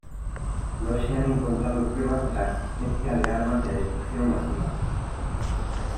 No se han encontrado pruebas de la existencia de armas de destrucción masiva.